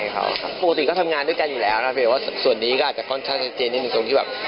ก็ได้ช่วยบ้างครับได้ช่วยบ้างอยู่ครับ